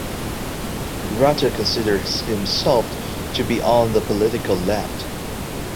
Rutter considers himself to be on the political left.